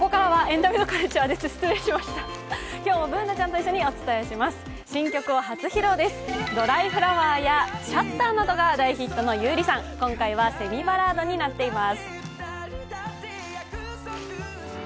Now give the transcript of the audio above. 「ドライフラワー」や「シャッター」などが大ヒットの優里さん、今回はセミバラードになっています。